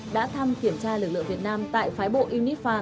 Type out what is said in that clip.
đã thăm kiểm tra lực lượng việt nam tại phái bộ unifa